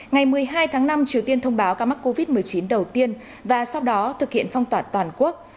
ngày một mươi hai tháng năm triều tiên thông báo ca mắc covid một mươi chín đầu tiên và sau đó thực hiện phong tỏa toàn quốc